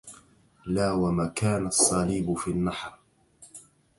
لا ومكان الصليب في النحر